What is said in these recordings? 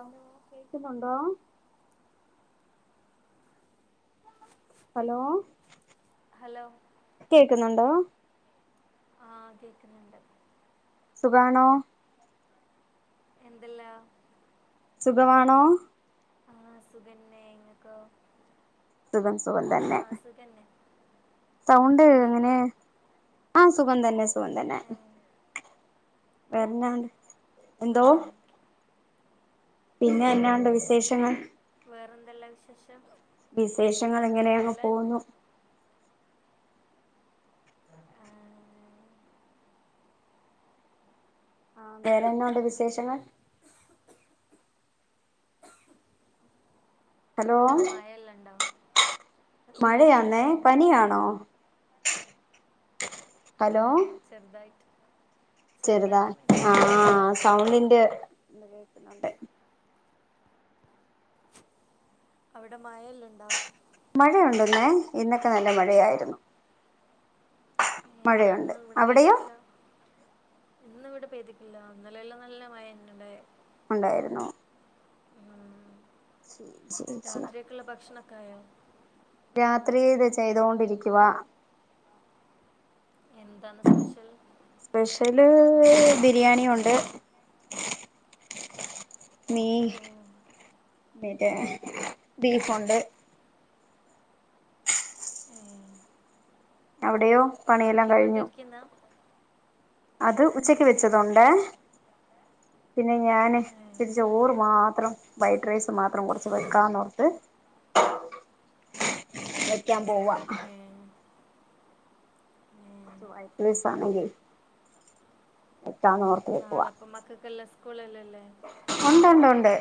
Hello കേക്കുന്നുണ്ടോ hello hello [unintelligible] ആഹ് കേക്കുന്നുണ്ട് സുഖാണോ? എന്തല്ലാ? സുഖമാണോ? അ സുഖന്നെ എങ്ങക്കൊ സുഖം സുഖം തന്നെ സൗണ്ട് ഇങ്ങക്കോ അങ്ങനെ ആഹ് സുഖം തന്നെ. സുഖം തന്നെ. ഏ, ഓ വേറെന്നാ ണ്ട്? ആ എന്തോ പിന്നെ എന്നാ ഉണ്ട് വിശേഷങ്ങൾ വേറെന്തെല്ലാ വിശേഷം വിശേഷങ്ങൾ ഇങ്ങനെയങ്ങ് നല്ലതന്നെ പോകുന്നു ആ, ആ വേറെന്നാ ഉണ്ട് വിശേഷങ്ങൾ ഹലോ അട മായല്ലാം ഉണ്ടാവ മഴയാന്നേ പനിയാണോ ആ ഹലോ ചെറുതായിട്ട് ചെറുതാ ചെറുതായിട്ട് മരിക്കുന്നു ആഹ സൗണ്ടിന്റെ ഇ കേക്കുന്നുണ്ട് അവിടെ മായല്ലുണ്ടോ മഴയുണ്ടന്നേ ഇന്നൊക്കെ നല്ല മഴയായിരുന്നു മഴയുണ്ട് എന്നന്ന്ും ഇവിടെ അവിടെയോ ഭേദിക്കില്ല എന്ന ഇവിടെ പേദ ഇല്ല അന്നലെല്ലാം നല്ല മയന്നണ്ട ഉണ്ടായിരുന്നു ഉം. ശരി ശരി ശില [unintelligible] രാത്രിയൊക്കെയുള്ള [unintelligible] രാത്രി ഇത് ചെയ്തൊണ്ടിരിക്കുക എന്താണ് സ്പെഷ്യൽ സ്പെഷ്യല് ബിരിയാണി ഉണ്ട് മീ ഓ മറ്റേ ബീഫുണ്ട് ഏ, അവിടെ എടയോ പണിയെല്ലാം കഴിഞ്ഞു ആക്കിക്കൊണ്ടിരിക്കുന്ന അത് ഉച്ചക്ക് വെച്ചതുണ്ട് പിന്നെ ഞാന് ഏ, ഇച്ചിരി ച്ചോറ് മാത്രം വൈറ്റ് റൈസ് മാത്രം കുറച്ച് വെക്കാന്ന്ോർത്ത് വെക്കാൻ പോവ ഏ, ഏ. കുച്ച വഴട്ട ദിവസ ആണെങ്കിൽ എട്ടാന്ന് ഓർത്തത് [unintelligible] അപ്പ മക്കൾക്കല്ല സ്കൂളല്ലല്ലേ ഉണ്ട് ഉണ്ട് ഉണ്ട്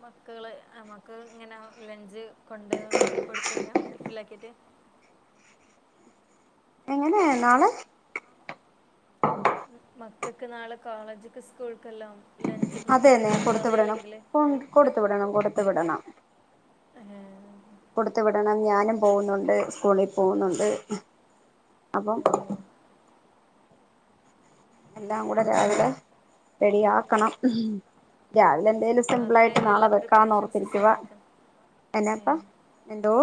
മക്കള് മക്ക ഇങ്ങനെ ലഞ്ച് കൊണ്ട് കൊടുത്ത് കഴിയാം ടിഫില ആാക്കിയിട്ട് എങ്ങനെയ നാളെ പക്കയ്ക്ക് നാളെ കോളേജ്ക്ക് സ്കൂൾക്കെല്ലാം ലഞ്ച് പ്രിപ്പയർ അതെന്നെ ചെയ്ത് കൊടുത്തു വിടണം കൊണ്ടുപോകുന്നില്ലെങ്കിൽ കൊടുത്തു വിടണം കൊടു കൊടുത്ത് വിടണം ഹഹ കൊടുത്ത വിടണം ഞാനും പോകുന്നുണ്ട് സ്കൂളിൽ പോകുന്നുണ്ട് അപ്പം ഓ എല്ലാം കൂടെ രാവിലെ റെഡിയ ആക്കണം രാവിലെ എന്തെിലും രാത്രി സിംമ്പിളായിട്ട് അതിനുള്ള നാളെ വെക്കാന്ന് പ്രിപ്പറേഷൻസ് ഓർത്തിരിക്കുക സ്റ്റാർട്ടാക്കാം എന്നെപ്പം ഏ എന്തോ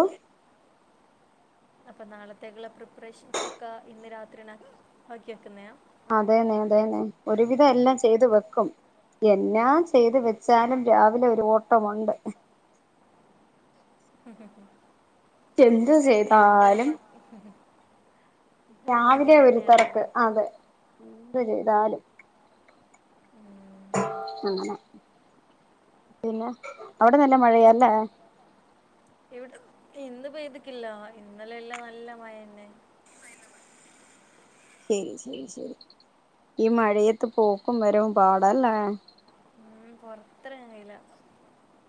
അപ്പൊ നാളത്തേക്കുള്ള പ്രിപ്പറേഷൻസ് ഒക്കെ ഇന്ന് രാത്രി തന്ന ആക്കി വെക്കുന്നയാ അതെന്നെ അതെന്നെ ഒരുവിധം എല്ലാം ചെയ്ത് വെക്കും എന്നാ ചെയ്ത് വെച്ചാലും രാവിലെ ഒരു ഓട്ടമുണ്ട് എന്ത് എന്താ ചെയ്താലും മ- രാവിലെ അതങ്ങനെ ഒരു തന്നെയാണല്ലോ തെരക്ക് അതെ [unintelligible] ചെയ്താലും ഉം. അങ്ങനെ പിന്നെ അവിടെ നല്ല ഇപ്പ- മഴയാല്ലേ ഇവിടെ ഇന്ന് പെയ്തിക്കില്ല ഇന്നലെ എല്ലാം നല്ല മഴന്നെ ശരി ശരി ശരി ഈ മഴയത്ത് പോക്കും വരവും പാടാല്ലേ പൊറത്തങ്ങാൻ കയ്ല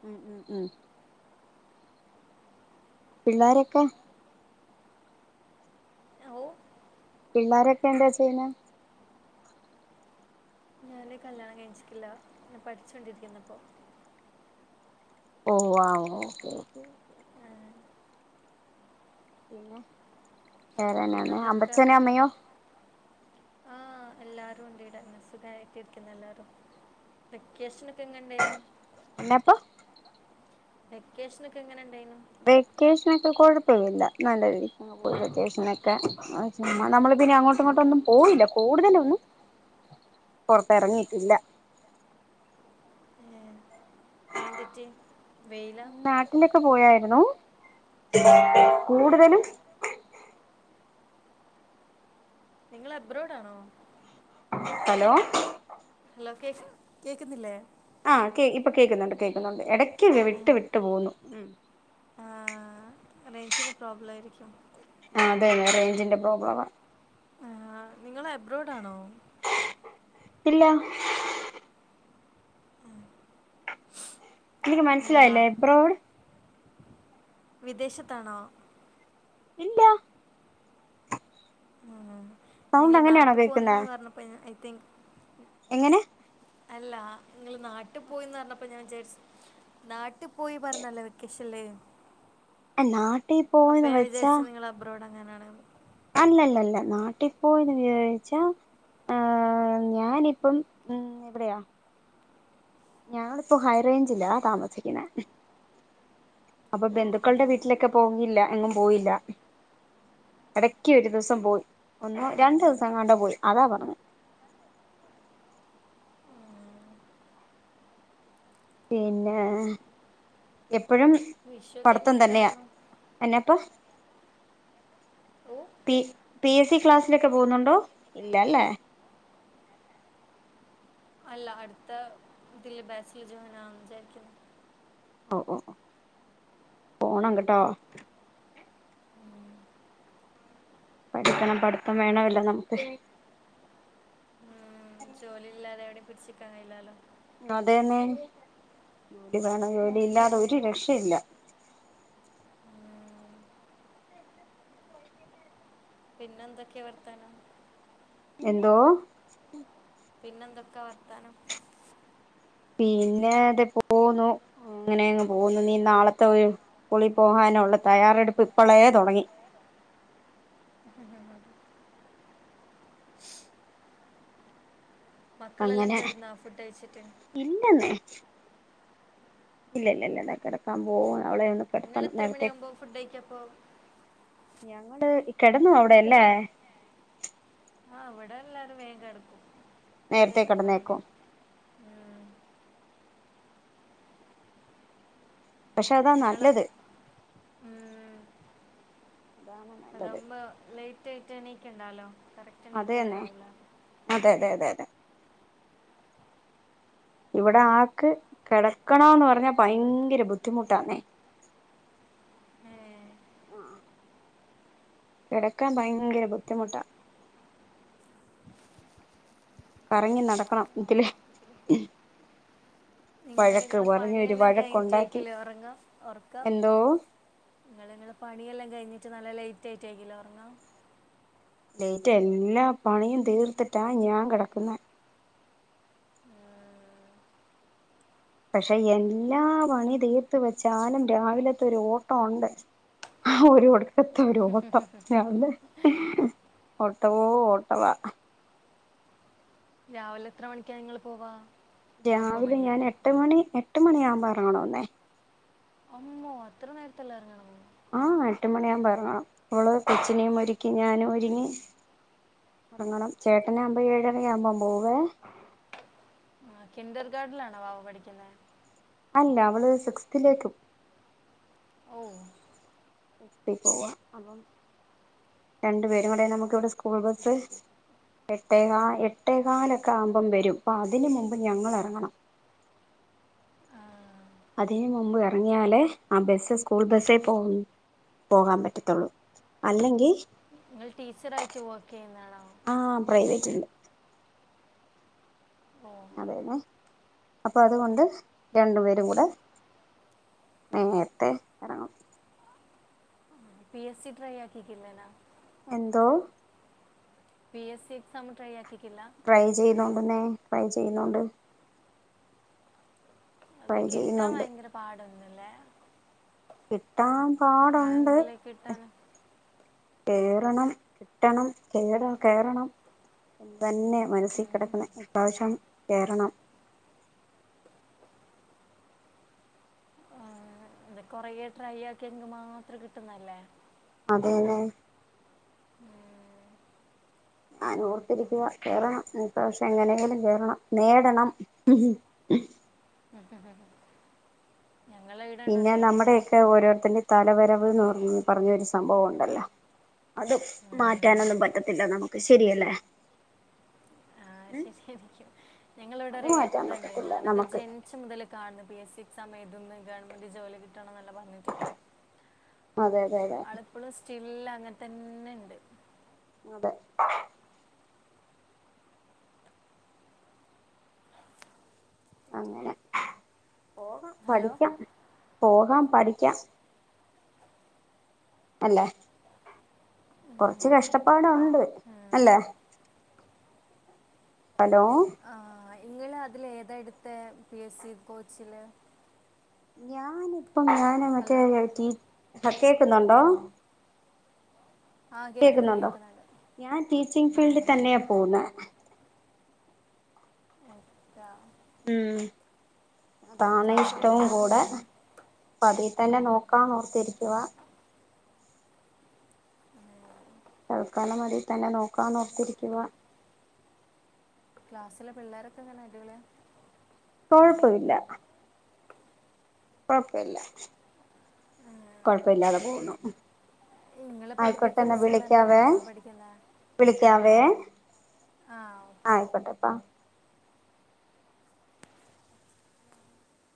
ഉം ഉം ഉം പിള്ളാരൊക്കെ ഓ പിള്ളാരൊക്കെ എന്താ ചെയ്യുന്നെ ഞാന് കല്യാണം കഴചിക്കില്ല ഞ പഠിച്ചോണ്ടിരിക്കുന്നിപ്പോ ഓ ആഓ ഓ ഓ പിന്നെ വേറെന്നന്നെ അപ്പച്ചന അമ്മയോ ആഹ് എല്ലാരും ഉണ്ട് വിടെ സുഗായിട്ട് ഇരിക്കുന്ന് എല്ലാരും വെക്കേഷൻ ക്കെഎങ്ങൻ ഇണ്ടായിരുന്നു എന്നപ്പോ വെക്കേഷൻ ഒക്കെ എങ്ങനെ ഉണ്ടായിനു വെക്കേഷനൊക്കെ കൊഴപ്പവില്ല നല്ല രീതിക്ക് പോയി വെക്കേഷനൊക്കെ നമ്മള് പിന്നെ അങ്ങോട്ടും ഇങ്ങോട്ടൊന്നും പോയില്ല കൂടുതലൊന്നും പുറത്ത് ഇറങ്ങിട്ടില്ല ആ എന്തെറ്റി വെയില നാട്ടിലൊക്കെ പോയായിരുന്നു കൂടുതലും നിങ്ങള് അബ്രോഡാണോ ഹലോ ഹലോ കേക്ക് കേക്കുന്നില്ലേ ആ കേ ഇപ്പൊ കേൾക്കുന്നുണ്ട് കേൾക്കുന്നുണ്ട് ഇട ക്ക് കേറിയിട്ട് വിട്ടു പോകുന്നു ഉം ആ റേഞ്ചിന് പ്രോബ്ലം ആയിരിക്കും ആ അതന്നെ റേഞ്ചിന്റെ പ്രോബ്ലവാ ആ നിങ്ങള് അബ്രോഡ് ആണോ ഇല്ല എനിക്ക് നിങ്ങൾ മനസ്സിലായില്ലേ നാട്ട് എബ്രോട് വിദേശത്താണോ ഇല്ലാ ഉ ഞങ്ങള് നാട്ടിൽ കേൾക്കുന്നെ പോന്ന്ന്ന് പറഞ്ഞപ്പോ ത്തിങ് എങ്ങനെ അല്ലാ നീ നാട്ടി പോയിന്ന് പറഞ്ഞപ്പോ ഞാൻ വിചാരിച്ച് നാട്ടിൽ പോയി പറഞ്ഞല്ലോ വെക്കേഷൻല് നാട്ടേ പോവന്ന് വെച്ചാ ങ്ങനാണ് അല്ലല്ലല്ല നാട്ടിൽപ്പോയന്ന് വിചാരിച്ചാ ഏ ഞാനിപ്പം മ് എവിടെയാ ഞങ്ങളിപ്പോ ഹൈ റേഞ്ചിലാ താമസിക്കുന്നത് അപ്പൊ ബന്ധുക്കളുടെ വീട്ടിലൊക്കെ പോന്നില്ല എങ്ങും പോയില്ല ഇടക്ക് ഒരു ദിവസം പോയി ഒന്നോ രണ്ടു ദിവസം കണ്ടാ പോയി അതാ പറഞ്ഞേ പിന്നെ എപ്പഴും വിഷു ഒക്കെ പടത്തം എങ്ങനെ തന്നെയാ ഉണ്ടായിരുന്നു എന്നെപ്പ ഓ പി പി എസ് സി ക്ലാസ്സിലൊക്കെ പോകുന്നുണ്ടോ ഇല്ല അല്ലേ അല്ല അടുത്ത തിൽ ബാച്ചില് ജോയിനാവാന്ന് വിചാരിക്കുണു ഓ ഓ പോണം കേട്ടോ പഠിക്കണം പഠിത്തം വേണവല്ലോ നമുക്ക് ജോലിയില്ലാതെ എവടീം പിടിച്ചിക്കാൻ കഴിയില്ലാലോ അതന്നെ ജോലി വേണം ജോലിയില്ലാതെ ഒരു രക്ഷയില്ല ഉം, പിന്നെ എന്തൊക്കെ വർത്താനം എന്തോ പിന്നെന്തൊക്കാ വർത്താനം പിന്നെ ദേ പോന്നു അങ്ങനെങ്ങ് പോന്നു നീ നാളത്തെ ഒരു പുളി പോകാനുള്ള തയ്യാറെടുപ്പ് ഇപ്പളേ തൊടങ്ങി ഹ് ഹ് ഹും മക്കളെല്ലാം അങ്ങനെ കെട്ന്നാ ഫുഡൈച്ചിട്ട് ഇല്ല ഇല്ല ഇല്ല ഇതാ കിടക്കാൻ പോകവും അവളെ ഇങ്ങള് കിടത്തണം എത്ര നേരത്തെ മണിയാകുമ്പോ ഫുഡൈക്കപ്പോ? ഞങ്ങള് കെടന്നു അവിടെയല്ലേ ആഹ് ഇവടെ എല്ലാരും വേഗം കെടക്കും നേരത്തേ കടന്നേക്കും പക്ഷെ അതാ നിങ്ങളെ നല്ലത് അതാണ് നല്ലത് അതമ്മ ലൈറ്റ് റ്റയ്റ്റ് എണീക്കണ്ടാലോ കറക്റ്റ് എണീക്കല്ല അതേന്നെ രാവിലെ അതെ അതെ അതെ അതെ ഇവിടെ ആക്ക് കിടക്കണോന്ന് പറഞ്ഞാ ഭയങ്കര ബുദ്ധിമുട്ടാന്നേ ഏ ആ കെടക്കാൻ ഭയങ്കര ബുദ്ധിമുട്ടാ കറങ്ങി നടക്കണം ഇതിലെ ഇങ്ങള് ഇങ്ങളെ പണിയെല്ലാം കഴിഞ്ഞിട്ടായിക്കല്ലേ ഉറങ്ങാ ഉറക്ക്ആ എന്തോ ഇങ്ങളിങ്ങളെ പണിയെല്ലാം കഴിഞ്ഞി നല്ല ലേറ്റ് ആയിട്ടായിരിക്കുല്ലേ ഒറങ്ങാ ലേറ്റ് എല്ലാ പണിയും തീർത്തിട്ടാ ഞാൻ കെടക്കുന്നേ ഉം. പക്ഷെ എല്ലാ പണി തീർത്ത് വെച്ചാലും രാവിലത്തെ ഒരു ഓട്ടോ ഉണ്ട് ഒരു ഒട് കത്തെ ഒരു ഓട്ടം രാവിലെ ഓട്ടം ഓ ഓട്ടവാ രാവിലെ എത്ര മണിക്കാ ഇങ്ങള് പോവാ ഒമ്പത് രാവിലെ മണിയാ ഞാൻ എട്ട് മണി എ എട്ട് മണിയാവുമ്പൊ എറങ്ങണോന്നെ അമ്മോ അത്ര നേരെത്തെല്ലായെറങ്ങണോ? ആഹ എട്ട് മണിയാവുമ്പൊ എറങ്ങണം ഓള് കൊച്ചിനെയും ഒരുക്കി ഞാനും ഒരുങ്ങി എറങ്ങണം ചേട്ടനാവുമ്പോ ഏഴരയാവുമ്പൊ മ്പോവേ ആ കിന്റർഗാർഡിലാണോ വാവ പഠിക്കുന്നേ? അല്ല അവള് സിക്സ്ത്തിലേക്കും ഓ സ്തി പോവാ അപ്പം രണ്ടു പേരും കൂടെ നമുക്കിവിടെ സ്കൂൾ ബസ് എട്ടേക എട്ടേകാലൊക്ക ആമ്പം വരും അപ്പൊ അതിന് മുമ്പ് ഞങ്ങൾ എറങ്ങണം അതിനു മുമ്പ് എറങ്ങിയാലേ ആ ബസ് സ്കൂൾ ബസ്സേ പോ പോകാൻ പറ്റത്തൊള്ളു അല്ലെങ്കി നിങ്ങൾ ടീച്ചറായിട്ട് വർക്കെയ്യുന്നാണോ? ആ [inaudible] ഓ അതെന്നെ അപ്പൊ അതുകൊണ്ട് രണ്ടു പേരും കൂടെ നേരത്തെ എറങ്ങും പി എസ് സി ട്രൈ ആക്കിക്കില്ലേനാ? എന്തോ? P S C exam try ആ ട്രൈ ചെയ്തോണ്ടുന്നേ ട്രൈ ചെയ്യുന്നോണ്ട് അത് ട്രൈ കിട്ടാ ചെയ്യുന്നുണ്ട് ഭയങ്കര പാ ടന്നല്ലേ കിട്ടാൻ പാടൊണ്ട് കിട്ടാൻ കേറണം കിട്ടണം കേറണം ഇതന്നെ മനസ്സി ഉം. കെടക്കുന്നെ ഇപാവശ്യം കേറണം അത് കൊറേ ട്രൈയാക്കിയെങ്കി മാത്രം കിട്ടുന്നെല്ലേ? അതേന്നെ [inaudible] ഞാൻ ഓർത്തിരിക്കുവ കേറണം ഇപ്രാവശ്യം എങ്ങനേങ്കിലും കേറണം നേടണം [inaudible] ഇവിടെ ഉണ്ട് ഒരു പിന്നെ ഏട്ടന് നമ്മടെയക്കെ ഓരോത്തന്ന് തലവരവ്ന്ന് പറഞ്ഞ് പറഞ്ഞൊരു സംഭവവൊണ്ടല്ല അത് ഉം. മാറ്റാനൊന്നും പറ്റത്തില്ല നമുക്ക് ശരിയല്ലേ? ഉം ശരിക്കും ഞങ്ങളവിട അത് ഒര് മാറ്റാൻ ഏട്ട്നണ്ട് പറ്റത്തില്ല ഞാനൊക്കെ നമുക്ക് ജനിച്ച മുതല് കാണ പി എസ് സി സമയത്തൊന്നും ഗവൺമെന്റ് ജോലി [unintelligible] ഇങ്ങനെ പറഞ്ഞിട്ട് അതെ അതെ അതെ ആള് ഇപ്പോളും സ് ഇല്ല അങ്ങൻതന്നെണ്ട് അതെ അങ്ങനെ. പോകാം, ഹലോ പഠിക്കാ പോകാം. പഠിക്കാ അല്ലേ, കൊറച്ച് കഷ്ടപ്പാടൊണ്ട് അല്ലേ? ഹലോ. ഞങ്ങളതിലേതായെടുത്തേ പി എസ് സി കോച്ചില്? ഞാന് പ്പ ഞാന് മറ്റേ എൽ ടി പ്പ കേക്കുന്നുണ്ടോ ആ കേൾക്കുന്നുണ്ട് കേക്കുന്നൊണ്ടോ? കേൾക്കുന്നുണ്ട് ഞാൻ ടീച്ചിങ്ങ് ആ ഫീൽഡിൽ തന്നെയാ പോകുന്നെ. ഉം താ ഉം അതാണ് ക്ലാസ്സിലെ ഇഷ്ടവും പിള്ളേരെല്ലാം കൂടെ, എങ്ങനെ പ്പതിത്തന്നെ നോക്കാന്നോർത്തിരിക്കുവാ. തൽക്കാലമതിൽ തന്നെ നോക്കാന്നോർത്തിരിക്കുവാ. ക്ലാസ്സിലെ പിള്ളാരൊക്കെങ്ങനെ അടിപൊളിയ? കൊഴപ്പവില്ല. കൊഴപ്പില്ല കൊഴപ്പില്ലാതെ പോകുന്നു. നിങ്ങൾ പഠിപ്പിക്കുന്ന ആയിക്കോട്ടെന്നാ സ്കൂളിൽ തന്നെയാണോ വിളിക്കാവേ, മോള് പഠിക്കുന്നത് വിളിക്കാവേ. ആ ആയിക്കോട്ടെപ്പാ.